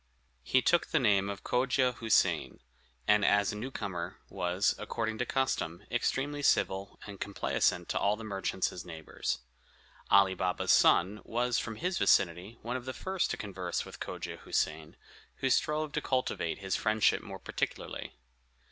He took the name of Cogia Houssain, and, as a newcomer, was, according to custom, extremely civil and complaisant to all the merchants his neighbors. Ali Baba's son was, from his vicinity, one of the first to converse with Cogia Houssain, who strove to cultivate his friendship more particularly.